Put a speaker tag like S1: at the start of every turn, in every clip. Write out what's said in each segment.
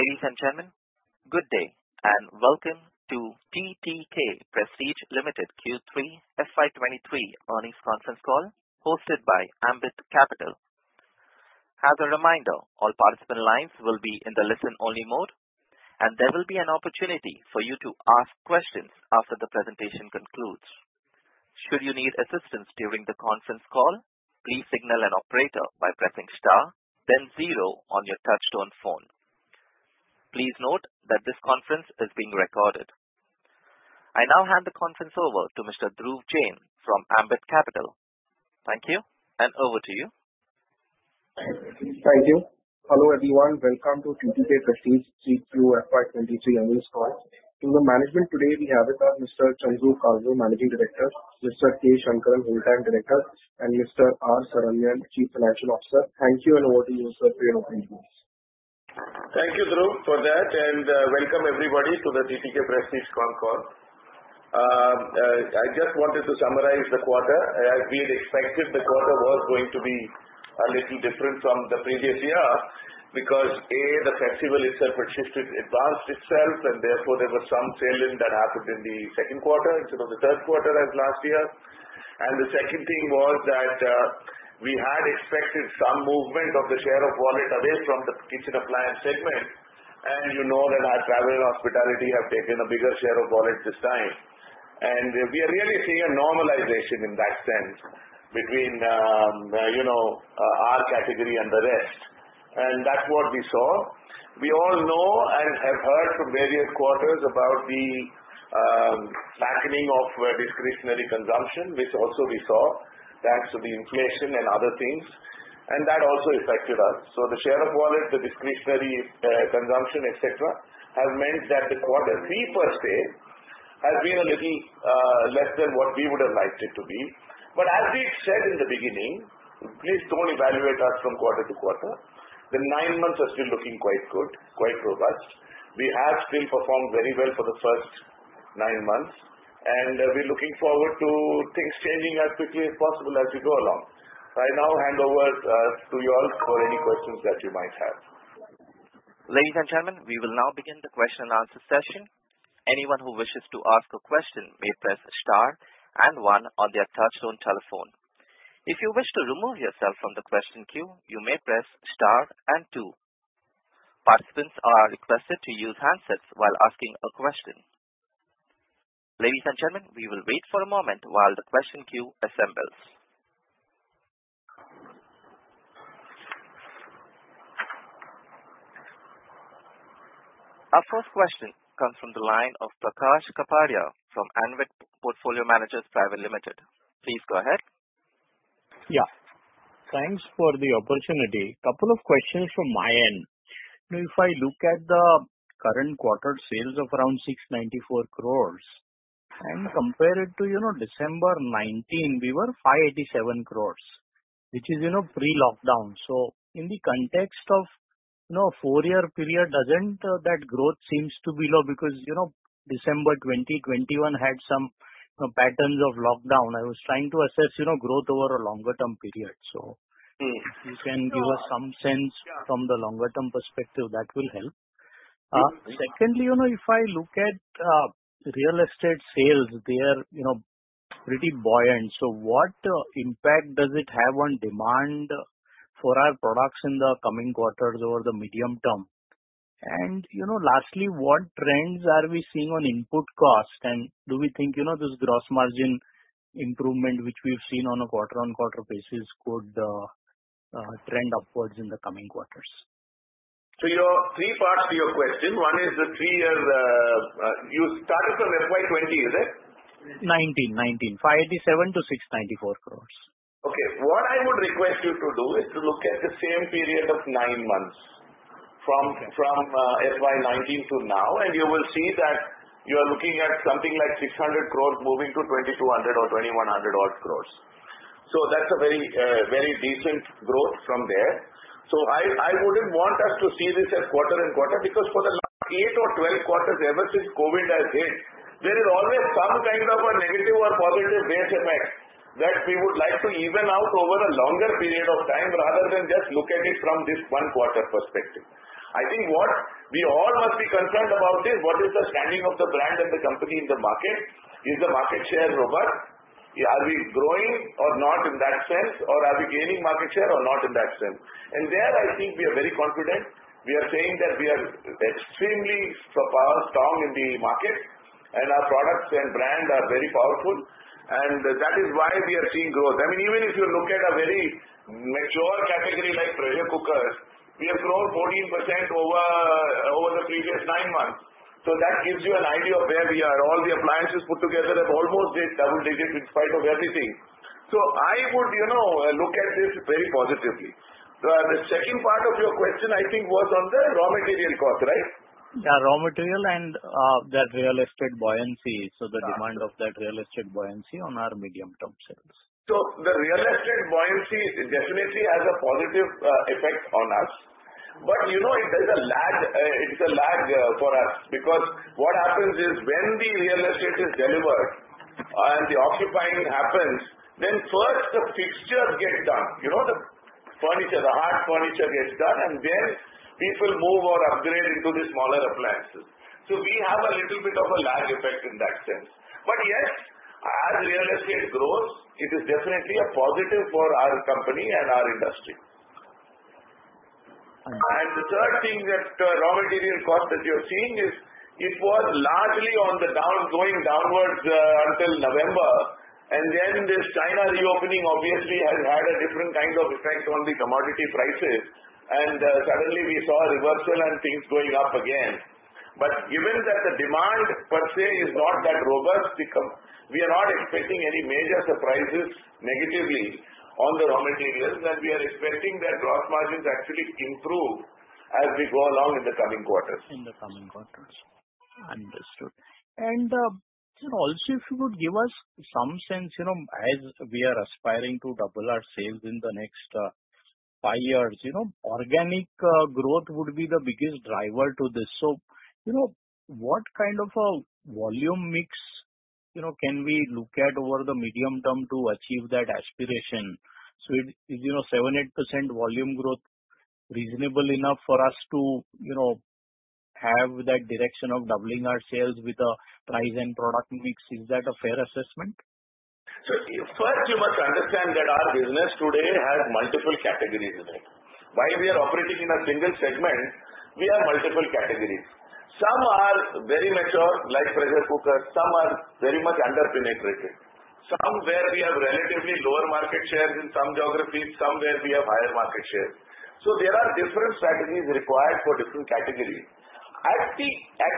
S1: Ladies and gentlemen, good day and welcome to TTK Prestige Limited Q3 FY23 earnings conference call hosted by Ambit Capital. As a reminder, all participant lines will be in the listen-only mode, and there will be an opportunity for you to ask questions after the presentation concludes. Should you need assistance during the conference call, please signal an operator by pressing star, then zero on your touch-tone phone. Please note that this conference is being recorded. I now hand the conference over to Mr. Dhruv Jain from Ambit Capital. Thank you, and over to you.
S2: Thank you. Hello everyone, welcome to TTK Prestige Q3 FY23 Earnings Call. To the management today, we have with us Mr. Chandru Kalro, Managing Director, Mr. K. Shankaran, Full-Time Director, and Mr. R. Saranyan, Chief Financial Officer. Thank you, and over to you, sir, for your opening remarks.
S3: Thank you, Dhruv, for that, and welcome everybody to the TTK Prestige conf call. I just wanted to summarize the quarter. As we had expected, the quarter was going to be a little different from the previous year because, A, the festival itself had shifted, advanced itself, and therefore there was some tailwind that happened in the second quarter instead of the third quarter as last year. And the second thing was that we had expected some movement of the share of wallet away from the kitchen appliance segment, and you know that our travel and hospitality have taken a bigger share of wallet this time. And we are really seeing a normalization in that sense between our category and the rest, and that's what we saw. We all know and have heard from various quarters about the flattening of discretionary consumption, which also we saw thanks to the inflation and other things, and that also affected us, so the share of wallet, the discretionary consumption, etc., has meant that the quarter three per se has been a little less than what we would have liked it to be, but as we said in the beginning, please don't evaluate us from quarter to quarter. The nine months are still looking quite good, quite robust. We have still performed very well for the first nine months, and we're looking forward to things changing as quickly as possible as we go along. Right now, hand over to you all for any questions that you might have.
S1: Ladies and gentlemen, we will now begin the question and answer session. Anyone who wishes to ask a question may press star and one on their touch-tone telephone. If you wish to remove yourself from the question queue, you may press star and two. Participants are requested to use handsets while asking a question. Ladies and gentlemen, we will wait for a moment while the question queue assembles. Our first question comes from the line of Prakash Kapadia from Anived Portfolio Managers Private Limited. Please go ahead. Yeah. Thanks for the opportunity. Couple of questions from my end. If I look at the current quarter sales of around 694 crores and compare it to December 2019, we were 587 crores, which is pre-lockdown. So in the context of a four-year period, doesn't that growth seem to be low? Because December 2021 had some patterns of lockdown. I was trying to assess growth over a longer-term period. So if you can give us some sense from the longer-term perspective, that will help. Secondly, if I look at real estate sales, they are pretty buoyant. So what impact does it have on demand for our products in the coming quarters or the medium term? And lastly, what trends are we seeing on input cost? And do we think this gross margin improvement, which we've seen on a quarter-on-quarter basis, could trend upwards in the coming quarters?
S3: So, three parts to your question. One is the three-year you started from FY20, is it? 19. 19. 587 crores-694 crores. Okay. What I would request you to do is to look at the same period of nine months from FY19 to now, and you will see that you are looking at something like 600 crores moving to 2,200 or 2,100 crores. So that's a very decent growth from there. So I wouldn't want us to see this as quarter and quarter because for the last eight or 12 quarters ever since COVID has hit, there is always some kind of a negative or positive base effect that we would like to even out over a longer period of time rather than just look at it from this one-quarter perspective. I think what we all must be concerned about is what is the standing of the brand and the company in the market? Is the market share robust? Are we growing or not in that sense? Or are we gaining market share or not in that sense? And there, I think we are very confident. We are saying that we are extremely strong in the market, and our products and brand are very powerful, and that is why we are seeing growth. I mean, even if you look at a very mature category like pressure cookers, we have grown 14% over the previous nine months. So that gives you an idea of where we are. All the appliances put together have almost doubled digits in spite of everything. So I would look at this very positively. The second part of your question, I think, was on the raw material cost, right? Yeah, raw material and that real estate buoyancy. So the demand of that real estate buoyancy on our medium-term sales. So the real estate buoyancy definitely has a positive effect on us, but it is a lag for us because what happens is when the real estate is delivered and the occupying happens, then first the fixtures get done. The furniture, the hard furniture gets done, and then people move or upgrade into the smaller appliances. So we have a little bit of a lag effect in that sense. But yes, as real estate grows, it is definitely a positive for our company and our industry. And the third thing that raw material cost that you're seeing is it was largely going downwards until November, and then this China reopening obviously has had a different kind of effect on the commodity prices, and suddenly we saw a reversal and things going up again. But given that the demand per se is not that robust, we are not expecting any major surprises negatively on the raw materials, and we are expecting that gross margins actually improve as we go along in the coming quarters. In the coming quarters. Understood. And also, if you could give us some sense, as we are aspiring to double our sales in the next five years, organic growth would be the biggest driver to this. So what kind of a volume mix can we look at over the medium term to achieve that aspiration? So is 78% volume growth reasonable enough for us to have that direction of doubling our sales with a price and product mix? Is that a fair assessment? First, you must understand that our business today has multiple categories in it. While we are operating in a single segment, we have multiple categories. Some are very mature, like pressure cookers. Some are very much under-penetrated. Some where we have relatively lower market shares in some geographies. Some where we have higher market shares. So there are different strategies required for different categories. At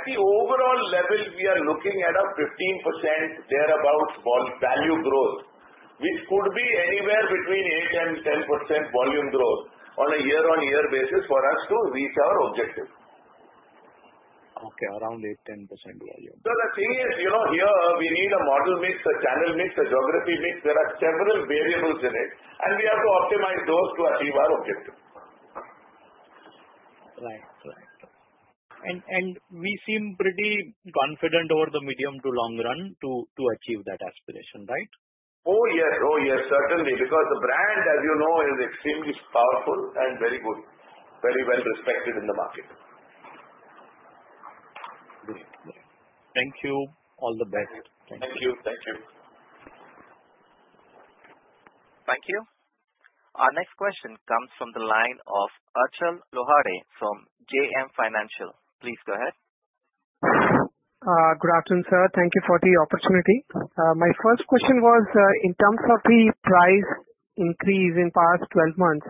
S3: the overall level, we are looking at a 15% thereabouts value growth, which could be anywhere between 8%-10% volume growth on a year-on-year basis for us to reach our objective. Okay, around 8-10% volume. So the thing is here we need a model mix, a channel mix, a geography mix. There are several variables in it, and we have to optimize those to achieve our objective. Right. Right. And we seem pretty confident over the medium to long run to achieve that aspiration, right? Oh, yes. Oh, yes, certainly. Because the brand, as you know, is extremely powerful and very good, very well respected in the market. Great. Great. Thank you. All the best. Thank you. Thank you.
S1: Thank you. Our next question comes from the line of Achal Lohade from JM Financial. Please go ahead. Good afternoon, sir. Thank you for the opportunity. My first question was in terms of the price increase in past 12 months,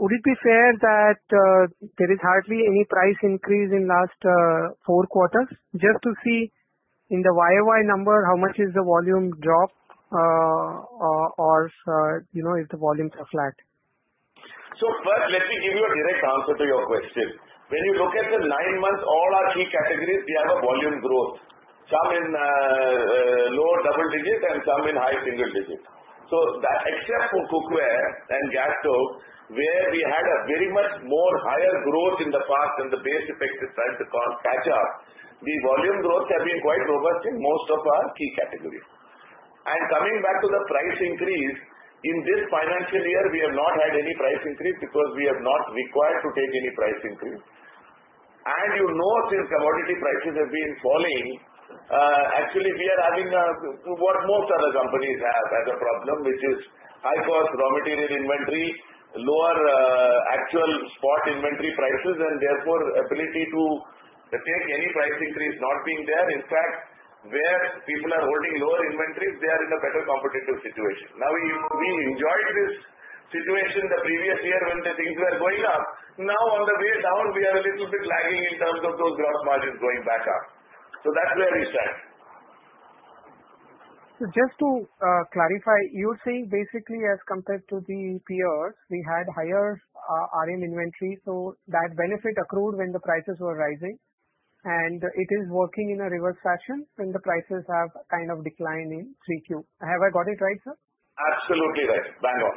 S1: would it be fair that there is hardly any price increase in last four quarters? Just to see in the YOY number how much is the volume drop or if the volumes are flat.
S3: So first, let me give you a direct answer to your question. When you look at the nine months, all our key categories, we have a volume growth. Some in low double digits and some in high single digits. So except for cookware and gas stoves, where we had a very much more higher growth in the past and the base effect is trying to catch up, the volume growth has been quite robust in most of our key categories. And coming back to the price increase, in this financial year, we have not had any price increase because we have not required to take any price increase. You know since commodity prices have been falling, actually we are having what most other companies have as a problem, which is high-cost raw material inventory, lower actual spot inventory prices, and therefore ability to take any price increase not being there. In fact, where people are holding lower inventories, they are in a better competitive situation. Now, we enjoyed this situation the previous year when the things were going up. Now, on the way down, we are a little bit lagging in terms of those gross margins going back up. So that's where we stand. So just to clarify, you're saying basically as compared to the peers, we had higher RM inventory, so that benefit accrued when the prices were rising, and it is working in a reverse fashion when the prices have kind of declined in three Q. Have I got it right, sir? Absolutely right. Bang on.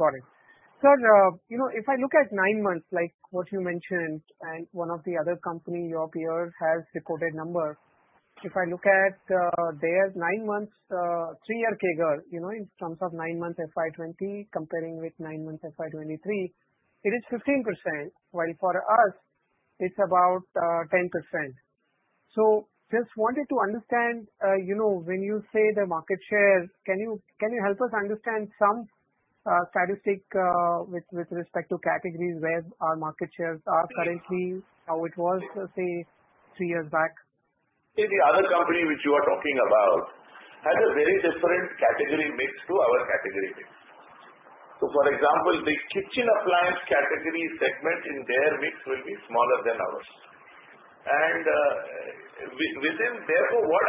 S3: Got it. Sir, if I look at nine months, like what you mentioned, and one of the other company, your peers, has reported numbers, if I look at their nine months three-year CAGR, in terms of nine months FY20 comparing with nine months FY23, it is 15%, while for us, it's about 10%. So just wanted to understand when you say the market share, can you help us understand some statistic with respect to categories where our market shares are currently, how it was, say, three years back? See, the other company which you are talking about has a very different category mix to our category mix. So for example, the kitchen appliance category segment in their mix will be smaller than ours. And therefore,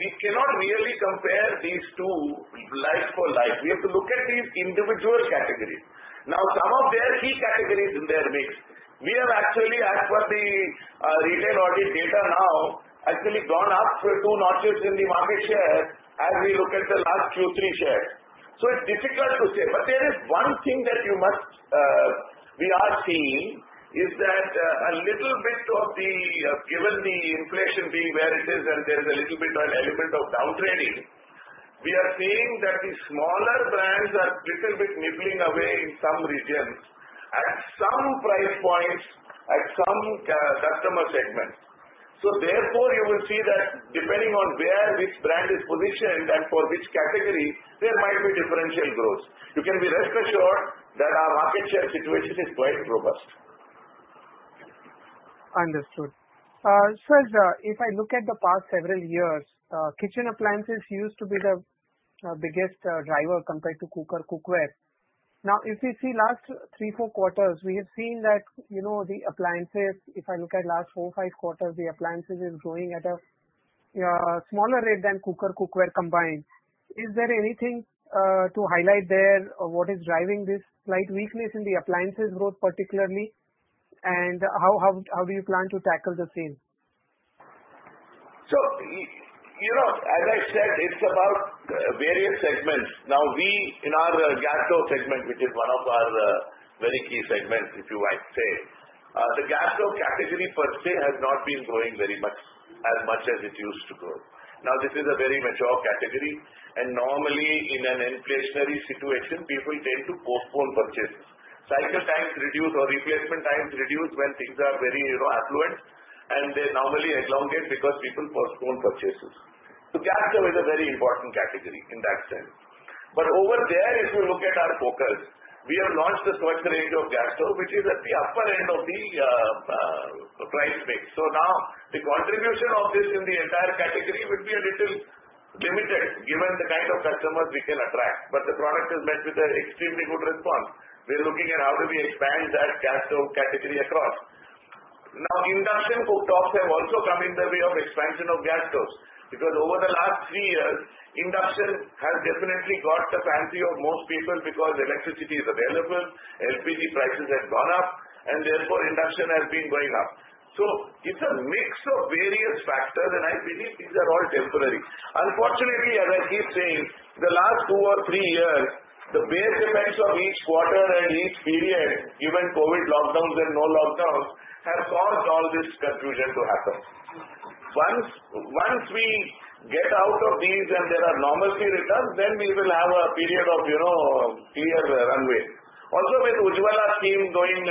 S3: we cannot really compare these two like for like. We have to look at these individual categories. Now, some of their key categories in their mix, we have actually, as per the retail audit data now, actually gone up to not just in the market share as we look at the last Q3 share. So it's difficult to say. But there is one thing that we are seeing is that a little bit of the, given the inflation being where it is and there is a little bit of an element of downtrading, we are seeing that the smaller brands are a little bit nibbling away in some regions at some price points at some customer segments. So therefore, you can be rest assured that our market share situation is quite robust. Understood. Sir, if I look at the past several years, kitchen appliances used to be the biggest driver compared to cooker cookware. Now, if you see last three, four quarters, we have seen that the appliances, if I look at last four, five quarters, the appliances are growing at a smaller rate than cooker cookware combined. Is there anything to highlight there? What is driving this slight weakness in the appliances growth particularly? And how do you plan to tackle the sales? So as I said, it's about various segments. Now, in our gas stove segment, which is one of our very key segments, if you might say, the gas stove category per se has not been growing very much as much as it used to grow. Now, this is a very mature category, and normally in an inflationary situation, people tend to postpone purchases. Cycle times reduce or replacement times reduce when things are very affluent, and they normally elongate because people postpone purchases. So gas stove is a very important category in that sense. But over there, if you look at our focus, we have launched the Svachh range of gas stove, which is at the upper end of the price mix. So now, the contribution of this in the entire category would be a little limited given the kind of customers we can attract. But the product has met with an extremely good response. We are looking at how do we expand that gas stove category across. Now, induction cooktops have also come in the way of expansion of gas stoves because over the last three years, induction has definitely got the fancy of most people because electricity is available, LPG prices have gone up, and therefore induction has been going up. So it's a mix of various factors, and I believe these are all temporary. Unfortunately, as I keep saying, the last two or three years, the base effects of each quarter and each period, given COVID lockdowns and no lockdowns, have caused all this confusion to happen. Once we get out of these and there are normalcy returns, then we will have a period of clear runway. Also, when the Ujjwala Scheme slowing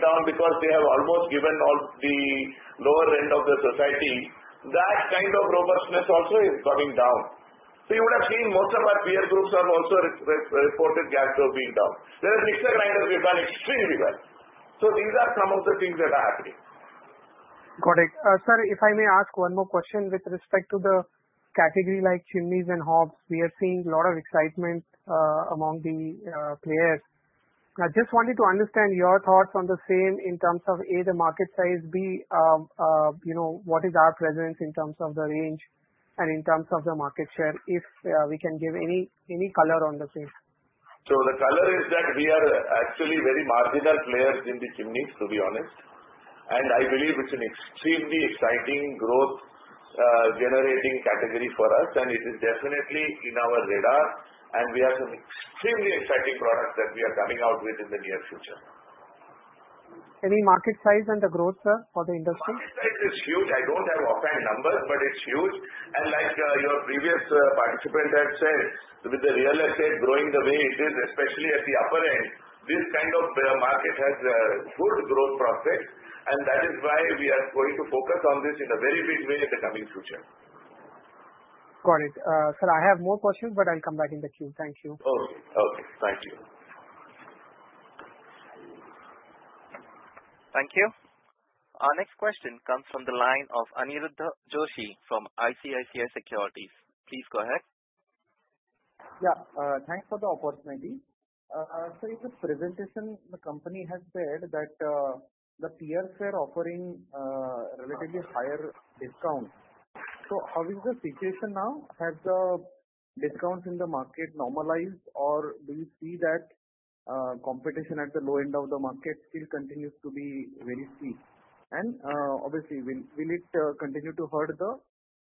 S3: down because they have almost given all the lower end of the society, that kind of robustness also is coming down. So you would have seen most of our peer groups have also reported gas stove being down. There are mixer grinders that have done extremely well. So these are some of the things that are happening. Got it. Sir, if I may ask one more question with respect to the category like chimneys and hobs, we are seeing a lot of excitement among the players. I just wanted to understand your thoughts on the same in terms of A, the market size, B, what is our presence in terms of the range, and in terms of the market share, if we can give any color on the same. The color is that we are actually very marginal players in the chimneys, to be honest. And I believe it's an extremely exciting growth-generating category for us, and it is definitely in our radar, and we have some extremely exciting products that we are coming out with in the near future. Any market size and the growth, sir, for the industry? Market size is huge. I don't have offhand numbers, but it's huge, and like your previous participant had said, with the real estate growing the way it is, especially at the upper end, this kind of market has good growth prospects, and that is why we are going to focus on this in a very big way in the coming future. Got it. Sir, I have more questions, but I'll come back in the queue. Thank you. Okay. Okay. Thank you.
S1: Thank you. Our next question comes from the line of Aniruddha Joshi from ICICI Securities. Please go ahead. Yeah. Thanks for the opportunity. Sir, in the presentation, the company has said that the peers were offering relatively higher discounts. So how is the situation now? Has the discounts in the market normalized, or do you see that competition at the low end of the market still continues to be very steep? And obviously, will it continue to hurt the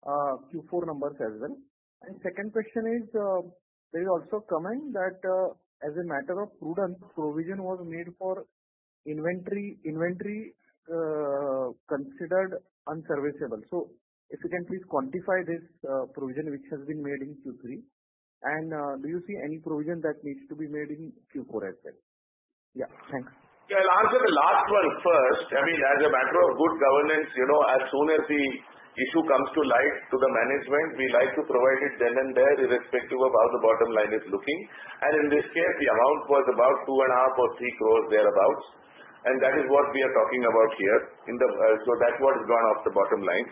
S1: Q4 numbers as well? And second question is, there is also comment that as a matter of prudence, provision was made for inventory considered unserviceable. So if you can please quantify this provision which has been made in Q3, and do you see any provision that needs to be made in Q4 as well? Yeah. Thanks.
S3: Yeah. I'll answer the last one first. I mean, as a matter of good governance, as soon as the issue comes to light to the management, we like to provide it then and there irrespective of how the bottom line is looking. And in this case, the amount was about 2.5-3 crores thereabouts. And that is what we are talking about here, so that's what has gone off the bottom line.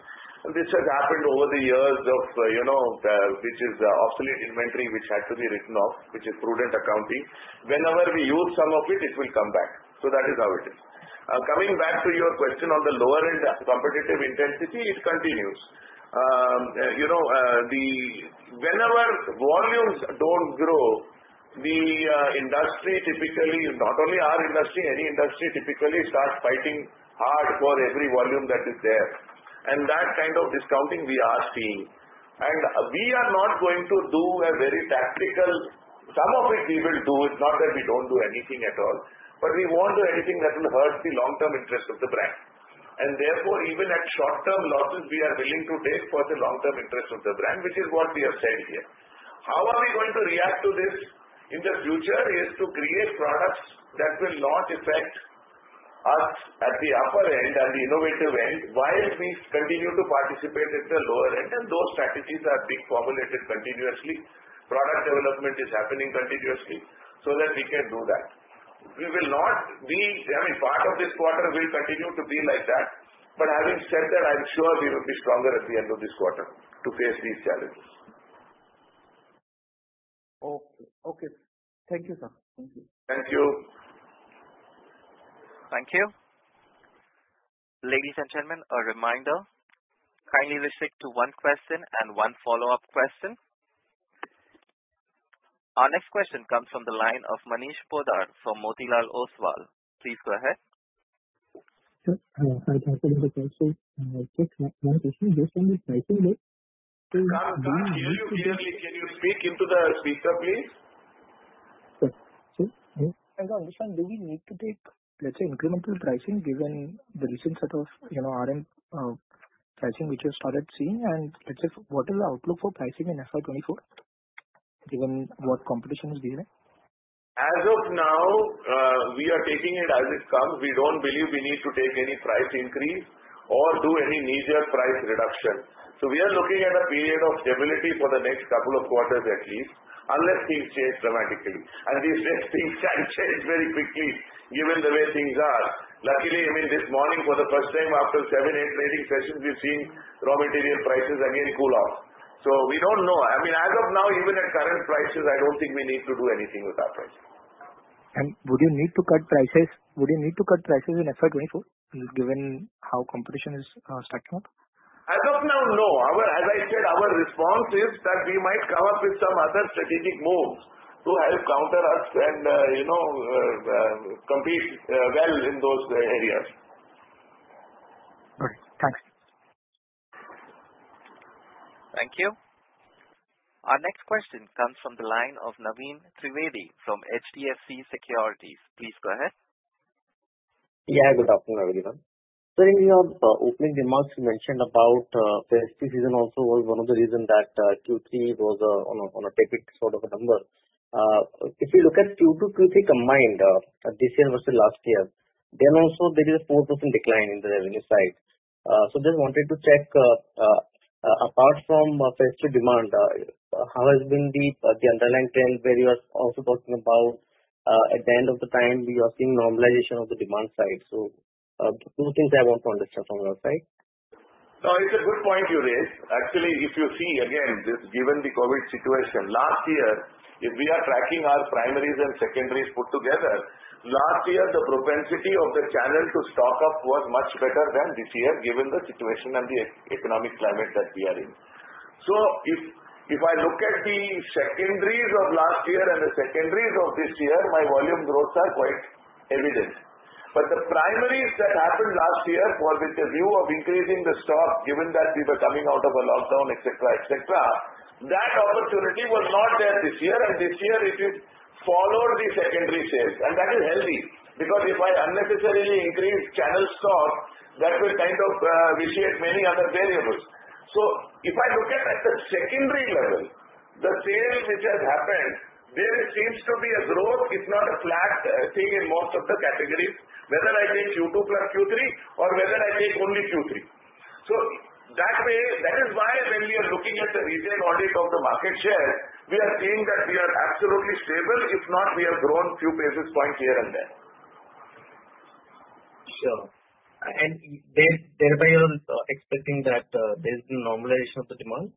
S3: This has happened over the years, which is obsolete inventory which had to be written off, which is prudent accounting. Whenever we use some of it, it will come back. So that is how it is. Coming back to your question on the lower end competitive intensity, it continues. Whenever volumes don't grow, the industry typically, not only our industry, any industry typically starts fighting hard for every volume that is there. And that kind of discounting we are seeing. And we are not going to do a very tactical, some of it we will do. It's not that we don't do anything at all. But we won't do anything that will hurt the long-term interest of the brand. And therefore, even at short-term losses, we are willing to take for the long-term interest of the brand, which is what we have said here. How are we going to react to this in the future is to create products that will not affect us at the upper end and the innovative end while we continue to participate at the lower end. And those strategies are being formulated continuously. Product development is happening continuously so that we can do that. We will not be. I mean, part of this quarter will continue to be like that. But having said that, I'm sure we will be stronger at the end of this quarter to face these challenges. Okay. Okay. Thank you, sir. Thank you. Thank you.
S1: Thank you. Ladies and gentlemen, a reminder. Kindly listen to one question and one follow-up question. Our next question comes from the line of Manish Poddar from Motilal Oswal. Please go ahead. Hello. Hi. Thanks again for calling. I have just one question. Based on the pricing rate
S3: Can you speak into the speaker, please? Sir. Sir, I don't understand. Do we need to take, let's say, incremental pricing given the recent set of RM pricing which we've started seeing? And let's say, what is the outlook for pricing in FY24 given what competition is behind? As of now, we are taking it as it comes. We don't believe we need to take any price increase or do any major price reduction. So we are looking at a period of stability for the next couple of quarters at least, unless things change dramatically, and these next things can change very quickly given the way things are. Luckily, I mean, this morning for the first time after seven, eight trading sessions, we've seen raw material prices again cool off, so we don't know. I mean, as of now, even at current prices, I don't think we need to do anything with our prices. Would you need to cut prices? Would you need to cut prices in FY24 given how competition is stacking up? As of now, no. As I said, our response is that we might come up with some other strategic moves to help counter us and compete well in those areas. Got it. Thanks.
S1: Thank you. Our next question comes from the line of Naveen Trivedi from HDFC Securities. Please go ahead. Yeah. Good afternoon, everyone. Sir, in your opening remarks, you mentioned about festival season also was one of the reasons that Q3 was on a tepid sort of a number. If you look at Q2, Q3 combined this year versus last year, then also there is a 4% decline in the revenue side. So just wanted to check, apart from festival demand, how has been the underlying trend where you are also talking about at the end of the day, we are seeing normalization of the demand side? So two things I want to understand from your side.
S3: No, it's a good point you raise. Actually, if you see, again, given the COVID situation, last year, if we are tracking our primaries and secondaries put together, last year, the propensity of the channel to stock up was much better than this year given the situation and the economic climate that we are in. So if I look at the secondaries of last year and the secondaries of this year, my volume growths are quite evident. But the primaries that happened last year for the view of increasing the stock, given that we were coming out of a lockdown, etc., etc., that opportunity was not there this year. And this year, it has followed the secondary sales. And that is healthy because if I unnecessarily increase channel stock, that will kind of vitiate many other variables. So if I look at the secondary level, the sale which has happened, there seems to be a growth, if not a flat thing in most of the categories, whether I take Q2 plus Q3 or whether I take only Q3. So that is why when we are looking at the retail audit of the market shares, we are seeing that we are absolutely stable. If not, we have grown a few basis points here and there. Sure. And thereby, you're expecting that there's been normalization of the demand?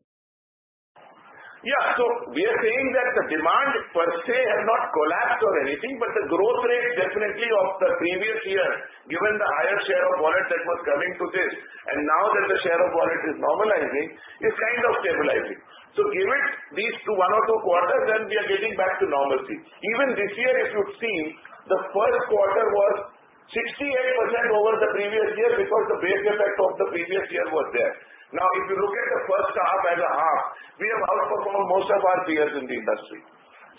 S3: Yeah. So we are saying that the demand per se has not collapsed or anything, but the growth rate definitely of the previous year, given the higher share of wallet that was coming to this, and now that the share of wallet is normalizing, is kind of stabilizing. So give it these one or two quarters, then we are getting back to normalcy. Even this year, if you've seen, the first quarter was 68% over the previous year because the base effect of the previous year was there. Now, if you look at the first half as a half, we have outperformed most of our peers in the industry.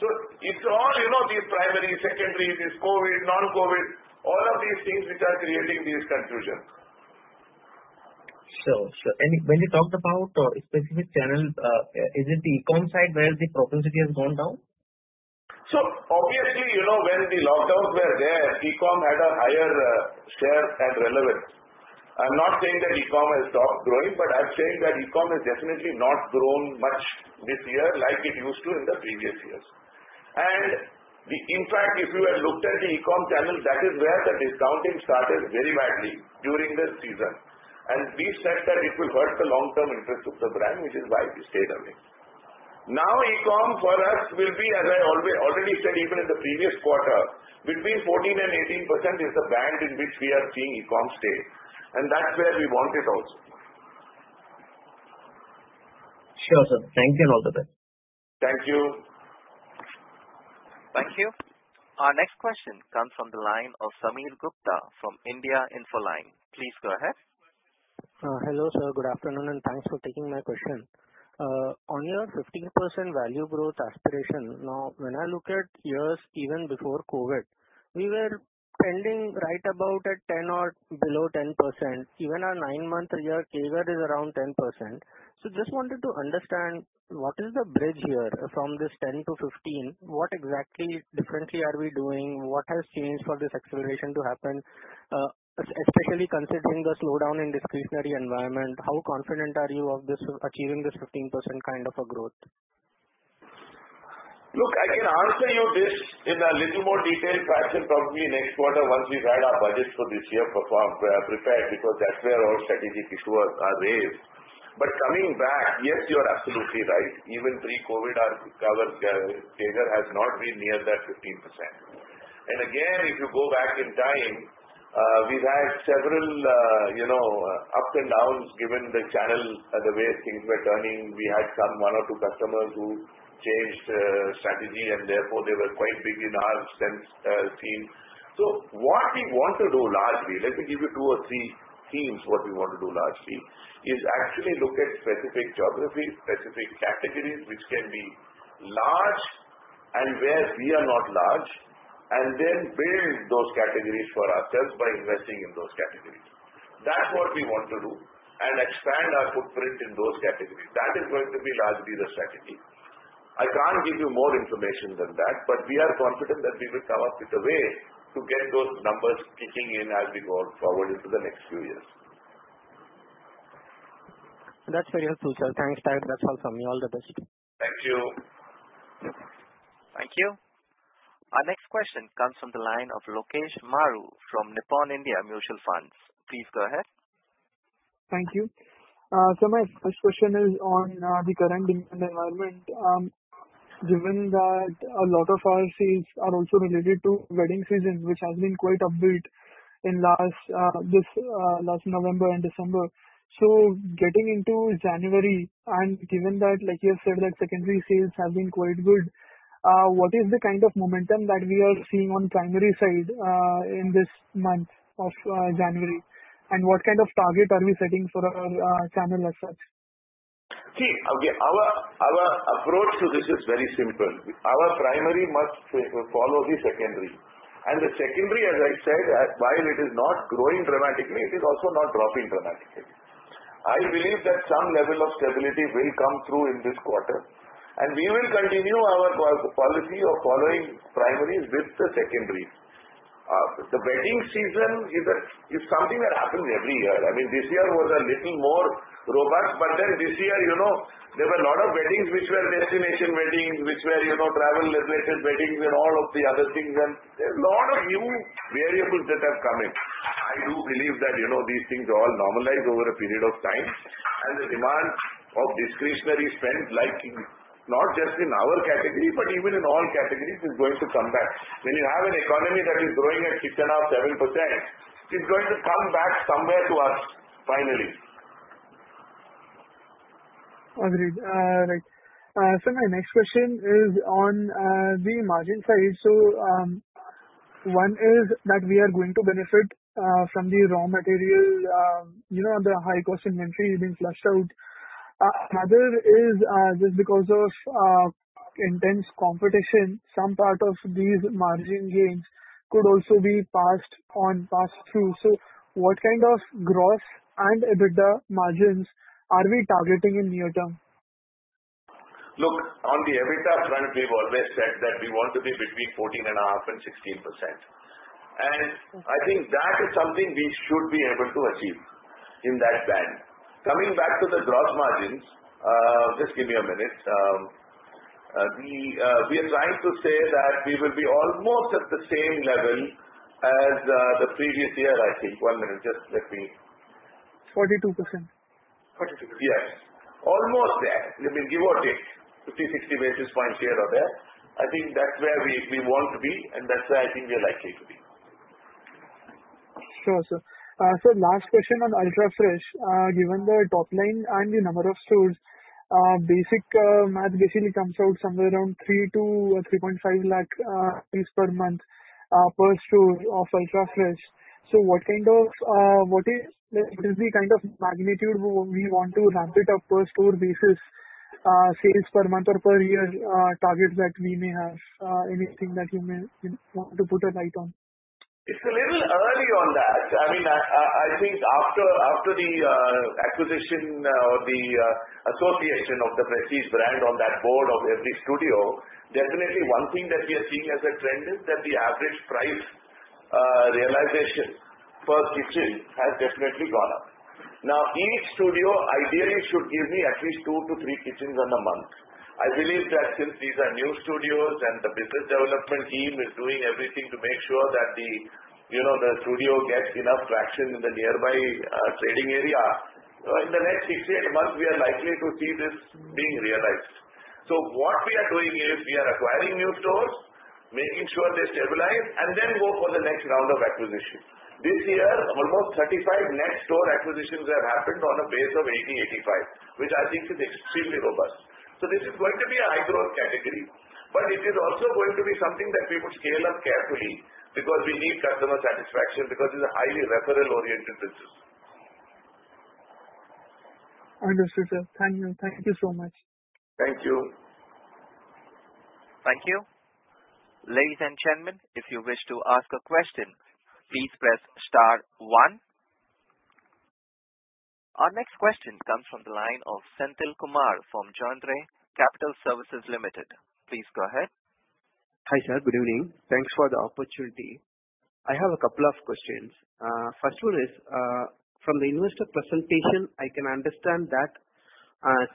S3: So it's all these primaries, secondaries, this COVID, non-COVID, all of these things which are creating this confusion. Sure. Sure, and when you talked about specific channels, is it the e-com side where the propensity has gone down? So obviously, when the lockdowns were there, e-com had a higher share and relevance. I'm not saying that e-com has stopped growing, but I'm saying that e-com has definitely not grown much this year like it used to in the previous years. And in fact, if you had looked at the e-com channel, that is where the discounting started very badly during the season. And we said that it will hurt the long-term interest of the brand, which is why we stayed away. Now, e-com for us will be, as I already said, even in the previous quarter, between 14%-18% is the band in which we are seeing e-com stay. And that's where we want it also. Sure, sir. Thank you and all the best. Thank you.
S1: Thank you. Our next question comes from the line of Sameer Gupta from India Infoline. Please go ahead. Hello, sir. Good afternoon, and thanks for taking my question. On your 15% value growth aspiration, now when I look at years even before COVID, we were trending right about at 10% or below 10%. Even our nine-month year, CAGR is around 10%. So just wanted to understand what is the bridge here from this 10% to 15%? What exactly differently are we doing? What has changed for this acceleration to happen, especially considering the slowdown in this quagmire environment? How confident are you of achieving this 15% kind of a growth?
S3: Look, I can answer you this in a little more detailed fashion probably next quarter once we prepare our budgets for this year because that's where all strategic issues are raised. But coming back, yes, you're absolutely right. Even pre-COVID, our CAGR has not been near that 15%. And again, if you go back in time, we've had several ups and downs given the channel, the way things were turning. We had some one or two customers who changed strategy, and therefore, they were quite big in our sales team. So what we want to do largely, let me give you two or three themes what we want to do largely, is actually look at specific geographies, specific categories which can be large and where we are not large, and then build those categories for ourselves by investing in those categories. That's what we want to do and expand our footprint in those categories. That is going to be largely the strategy. I can't give you more information than that, but we are confident that we will come up with a way to get those numbers kicking in as we go forward into the next few years. That's very helpful, sir. Thanks. That's all from me. All the best. Thank you.
S1: Thank you. Our next question comes from the line of Lokesh Maru from Nippon India Mutual Fund. Please go ahead. Thank you, so my first question is on the current demand environment. Given that a lot of our sales are also related to wedding seasons, which has been quite upbeat in this last November and December, so getting into January, and given that, like you have said, that secondary sales have been quite good, what is the kind of momentum that we are seeing on the primary side in this month of January, and what kind of target are we setting for our channel as such?
S3: See, our approach to this is very simple. Our primary must follow the secondary, and the secondary, as I said, while it is not growing dramatically, it is also not dropping dramatically. I believe that some level of stability will come through in this quarter, and we will continue our policy of following primaries with the secondary. The wedding season is something that happens every year. I mean, this year was a little more robust, but then this year, there were a lot of weddings which were destination weddings, which were travel-related weddings, and all of the other things, and there are a lot of new variables that have come in. I do believe that these things all normalize over a period of time, and the demand of discretionary spend, not just in our category, but even in all categories, is going to come back. When you have an economy that is growing at 6.5%-7%, it's going to come back somewhere to us finally. Agreed. Right. So my next question is on the margin side. So one is that we are going to benefit from the raw material on the high-cost inventory being flushed out. Another is just because of intense competition, some part of these margin gains could also be passed on, passed through. So what kind of gross and EBITDA margins are we targeting in near term? Look, on the EBITDA front, we've always said that we want to be between 14.5% and 16%. And I think that is something we should be able to achieve in that band. Coming back to the gross margins, just give me a minute. We are trying to say that we will be almost at the same level as the previous year, I think. One minute. Just let me. 42%. 42%. Yes. Almost there. I mean, give or take, 50, 60 basis points here or there. I think that's where we want to be, and that's where I think we are likely to be. Sure, sir. So last question on Ultrafresh. Given the top line and the number of stores, basic math basically comes out somewhere around 3-3.5 lakhs per month per store of Ultrafresh. So what is the kind of magnitude we want to ramp it up per store basis, sales per month or per year targets that we may have? Anything that you may want to put a light on? It's a little early on that. I mean, I think after the acquisition or the association of the Prestige brand on that board of every studio, definitely one thing that we are seeing as a trend is that the average price realization per kitchen has definitely gone up. Now, each studio ideally should give me at least two to three kitchens per month. I believe that since these are new studios and the business development team is doing everything to make sure that the studio gets enough traction in the nearby trading area, in the next six to eight months, we are likely to see this being realized. So what we are doing is we are acquiring new stores, making sure they stabilize, and then go for the next round of acquisition. This year, almost 35 new store acquisitions have happened on a base of 80-85, which I think is extremely robust. So this is going to be a high-growth category. But it is also going to be something that we would scale up carefully because we need customer satisfaction because it's a highly referral-oriented business. Understood, sir. Thank you so much. Thank you.
S1: Thank you. Ladies and gentlemen, if you wish to ask a question, please press star one. Our next question comes from the line of Senthil Kumar from Joindre Capital Services Limited. Please go ahead. Hi sir, good evening. Thanks for the opportunity. I have a couple of questions. First one is, from the investor presentation, I can understand that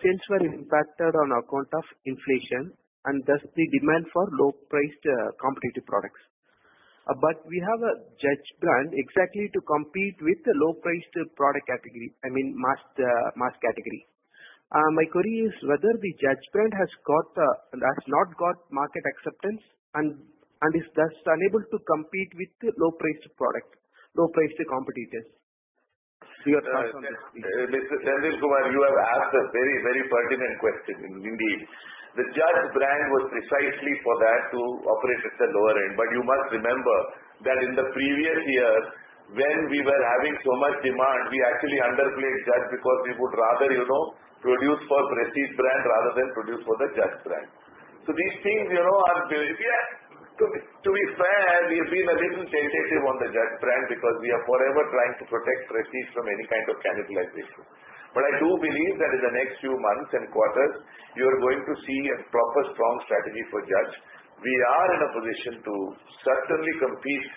S1: sales were impacted on account of inflation and thus the demand for low-priced competitive products. But we have a Judge brand exactly to compete with the low-priced product category, I mean, mass category. My query is whether the Judge brand has not got market acceptance and is thus unable to compete with low-priced product, low-priced competitors. Your thoughts on that, please.
S3: Senthil Kumar, you have asked a very, very pertinent question. Indeed, the Judge brand was precisely for that to operate at the lower end. But you must remember that in the previous year, when we were having so much demand, we actually underplayed Judge because we would rather produce for Prestige brand rather than produce for the Judge brand. So these things are to be fair, we have been a little tentative on the Judge brand because we are forever trying to protect Prestige from any kind of cannibalization. But I do believe that in the next few months and quarters, you are going to see a proper, strong strategy for Judge. We are in a position to certainly compete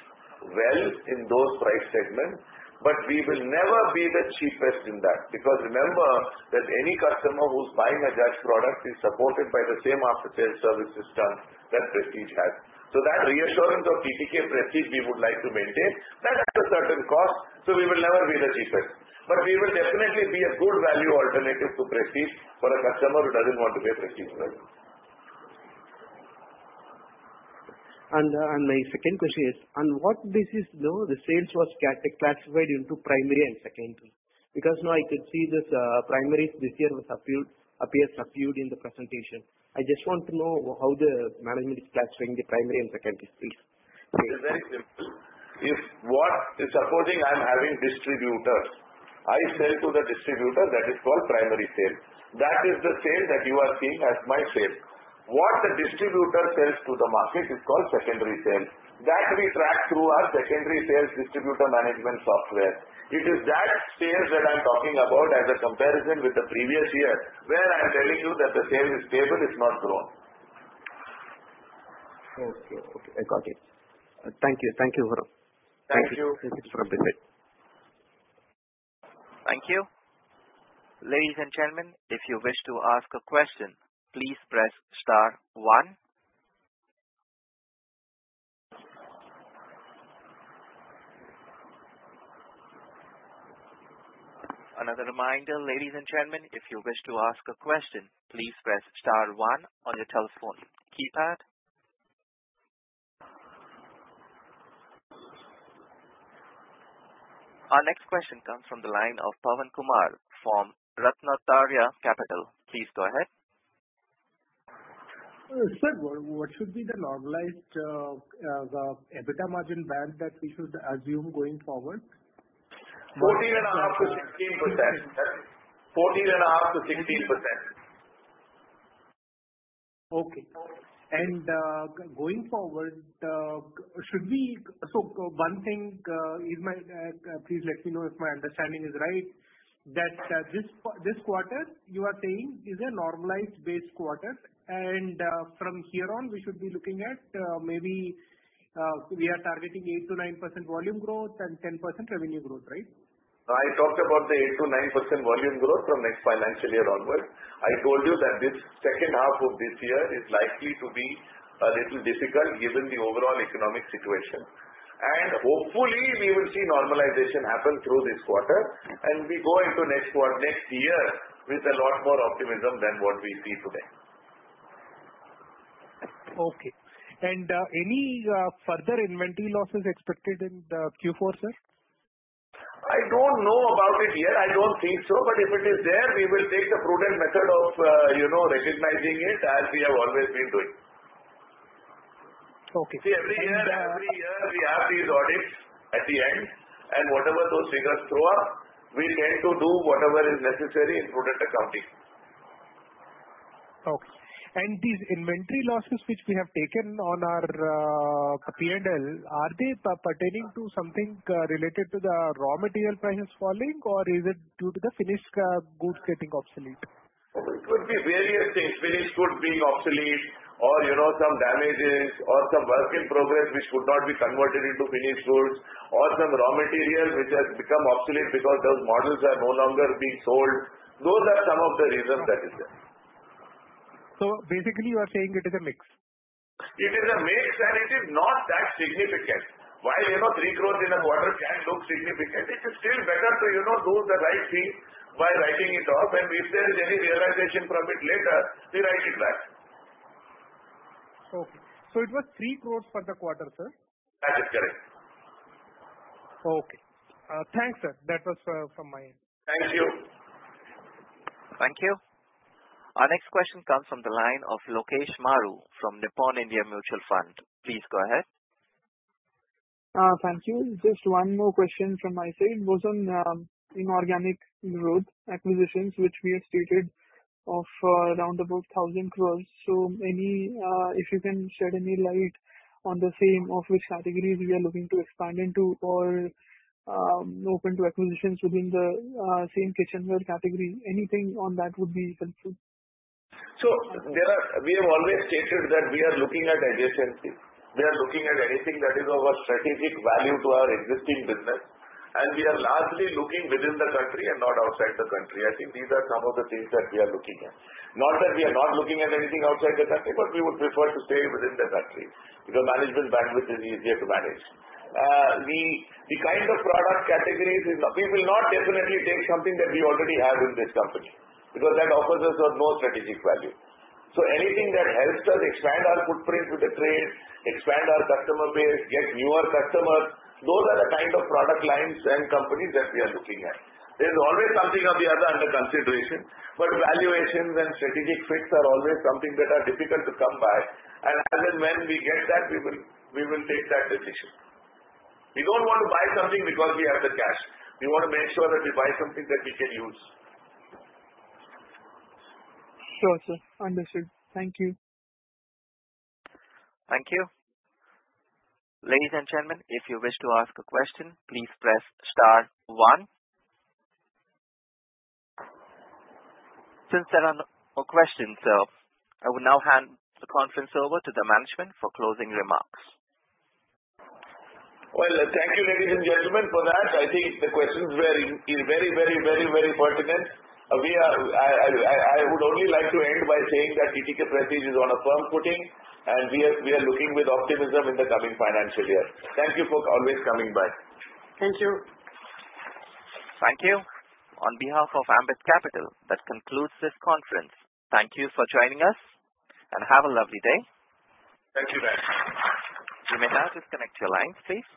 S3: well in those price segments, but we will never be the cheapest in that because remember that any customer who's buying a Judge product is supported by the same after-sales service system that Prestige has. So that reassurance of TTK Prestige, we would like to maintain. That has a certain cost, so we will never be the cheapest. But we will definitely be a good value alternative to Prestige for a customer who doesn't want to pay Prestige price. My second question is, on what basis the sales were classified into primary and secondary? Because now I could see this primary this year appears subdued in the presentation. I just want to know how the management is classifying the primary and secondary, please. It is very simple. What is supporting? I'm having distributors. I sell to the distributor. That is called primary sale. That is the sale that you are seeing as my sale. What the distributor sells to the market is called secondary sale. That we track through our secondary sales distributor management software. It is that sale that I'm talking about as a comparison with the previous year where I'm telling you that the sale is stable, it's not grown. Okay. Okay. I got it. Thank you. Thank you very much. Thank you. Thank you for your visit.
S1: Thank you. Ladies and gentlemen, if you wish to ask a question, please press star one. Another reminder, ladies and gentlemen, if you wish to ask a question, please press star one on your telephone keypad. Our next question comes from the line of Pawan Kumar from Ratnatraya Capital. Please go ahead. Sir, what should be the normalized EBITDA margin band that we should assume going forward?
S3: 14.5%-16%. Okay. And going forward, should we? So, one thing is, may I please let me know if my understanding is right, that this quarter you are saying is a normalized-based quarter. And from here on, we should be looking at maybe we are targeting 8-9% volume growth and 10% revenue growth, right? I talked about the 8%-9% volume growth from next financial year onward. I told you that this second half of this year is likely to be a little difficult given the overall economic situation, and hopefully, we will see normalization happen through this quarter, and we go into next year with a lot more optimism than what we see today. Okay, and any further inventory losses expected in Q4, sir? I don't know about it yet. I don't think so. But if it is there, we will take the prudent method of recognizing it as we have always been doing. Okay. See, every year we have these audits at the end. And whatever those figures throw up, we tend to do whatever is necessary in prudent accounting. Okay. And these inventory losses which we have taken on our P&L, are they pertaining to something related to the raw material prices falling, or is it due to the finished goods getting obsolete? It could be various things. Finished goods being obsolete or some damages or some work in progress which could not be converted into finished goods or some raw material which has become obsolete because those models are no longer being sold. Those are some of the reasons that is there. So basically, you are saying it is a mix? It is a mix, and it is not that significant. While 30% growth in a quarter can look significant, it is still better to do the right thing by writing it off, and if there is any realization from it later, we write it back. Okay, so it was three growth for the quarter, sir? That is correct. Okay. Thanks, sir. That was from my end. Thank you.
S1: Thank you. Our next question comes from the line of Lokesh Maru from Nippon India Mutual Fund. Please go ahead. Thank you. Just one more question from my side. It was on inorganic growth acquisitions which we have stated of around about 1,000 crores. So if you can shed any light on the same of which categories we are looking to expand into or open to acquisitions within the same kitchenware category, anything on that would be helpful.
S3: So we have always stated that we are looking at adjacency. We are looking at anything that is of a strategic value to our existing business. And we are largely looking within the country and not outside the country. I think these are some of the things that we are looking at. Not that we are not looking at anything outside the country, but we would prefer to stay within the country because management bandwidth is easier to manage. The kind of product categories we will not definitely take something that we already have in this company because that offers us no strategic value. So anything that helps us expand our footprint with the trade, expand our customer base, get newer customers, those are the kind of product lines and companies that we are looking at. There's always something or the other under consideration, but valuations and strategic fits are always something that are difficult to come by. And as and when we get that, we will take that decision. We don't want to buy something because we have the cash. We want to make sure that we buy something that we can use. Sure, sir. Understood. Thank you.
S1: Thank you. Ladies and gentlemen, if you wish to ask a question, please press star one. Since there are no questions, sir, I will now hand the conference over to the management for closing remarks.
S3: Well, thank you, ladies and gentlemen, for that. I think the questions were very, very, very, very pertinent. I would only like to end by saying that TTK Prestige is on a firm footing, and we are looking with optimism in the coming financial year. Thank you for always coming by.
S2: Thank you.
S1: Thank you. On behalf of Ambit Capital, that concludes this conference. Thank you for joining us, and have a lovely day.
S3: Thank you, thank you.
S1: You may now disconnect your lines, please.